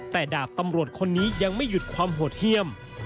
แต่ดาบตำรวจคนนี้ยังไม่หยุดความโหดเยี่ยม